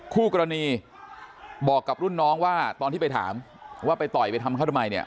คู่กรณีบอกกับรุ่นน้องว่าตอนที่ไปถามว่าไปต่อยไปทำเขาทำไมเนี่ย